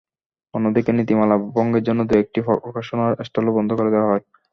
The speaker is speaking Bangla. অন্যদিকে নীতিমালা ভঙ্গের জন্য দু-একটি প্রকাশনার স্টলও বন্ধ করে দেওয়া হয়।